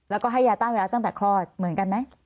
แล้วก็ให้ยาต้านเวลาตั้งแต่คลอดเหมือนกันไหม